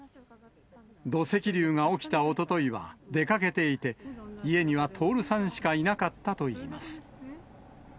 土石流が起きたおとといは出かけていて、家には徹さんしかいなかったといいます。